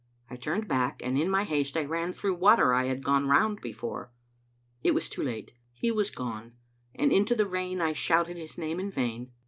I turned back, and in my haste I ran through water I had gone round before. I was too late. He was gone, and into the rain I shouted his name in vain.